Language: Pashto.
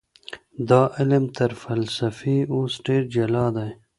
دا علم تر فلسفې اوس ډېر جلا دی.